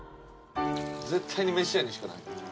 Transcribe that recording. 絶対に飯屋にしかない。